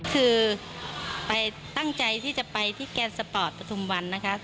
คือไปตั้งใจที่จะไปที่แกนสปอร์ตประทุมวันนะคะ